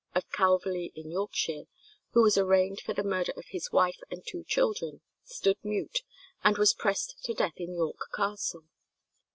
of Calverly in Yorkshire, who was arraigned for the murder of his wife and two children, stood mute, and was pressed to death in York Castle.